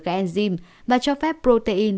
các enzyme và cho phép protein